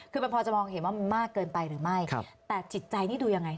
คือมันพอจะมองเห็นว่ามันมากเกินไปหรือไม่แต่จิตใจนี่ดูยังไง